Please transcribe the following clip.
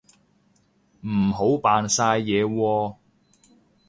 唔好扮晒嘢喎